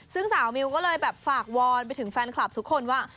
ซึ่งสาวมิวก็เลยแบบฝากวอนไปถึงแฟนคลับทุกคนว่า